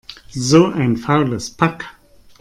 So ein faules Pack!